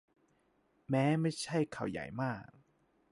แม้ไม่ใช่ข่าวใหญ่มาก